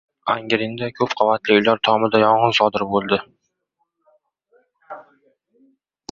Angrenda ko‘p qavatli uylar tomida yong‘in sodir bo‘ldi